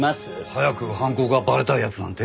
早く犯行がバレたい奴なんて？